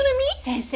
先生